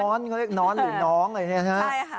นอนเขาเรียกนอนหรือน้องอะไรอย่างนี้นะฮะ